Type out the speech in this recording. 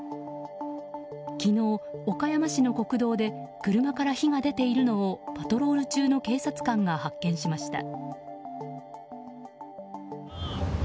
昨日、岡山市の国道で車から火が出ているのをパトロール中の警察官が発見しました。